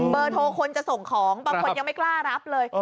เบอร์โทรคนจะส่งของบางคนยังไม่กล้ารับเลย